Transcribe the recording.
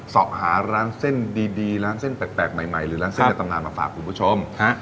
สอบหาร้านเส้นดีร้านเส้นแปลกใหม่หรือร้านเส้นในตำนานมาฝากคุณผู้ชม